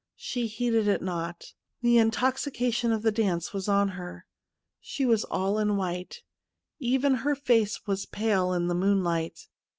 She heeded it not. The intoxication of the dance was on her. She was all in white ; even her face was pale in the moonlight.